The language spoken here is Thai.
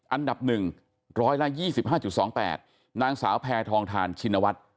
อันดับ๑๒๕๒๘นางสาวแพทองทานชินวัฒน์